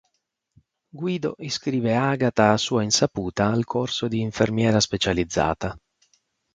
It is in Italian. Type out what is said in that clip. Guido iscrive Agata a sua insaputa al corso di infermiera specializzata.